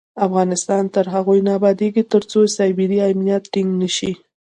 افغانستان تر هغو نه ابادیږي، ترڅو سایبري امنیت ټینګ نشي.